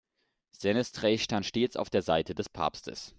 Senestrey stand stets auf der Seite des Papstes.